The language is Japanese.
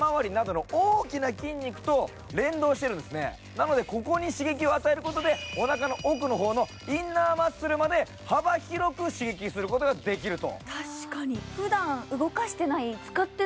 なのでここに刺激を与えることで、おなかの奥の方のインナーマッスルまで幅広く刺激することができると。